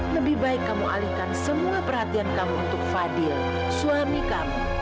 lebih baik kamu alihkan semua perhatian kamu untuk fadil suami kamu